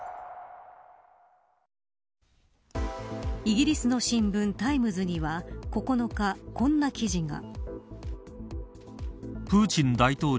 イギリスの新聞、タイムズには９日、こんな記事が。